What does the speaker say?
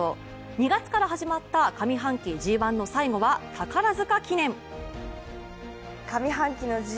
２月から始まった上半期ＧⅠの最後は宝塚記念。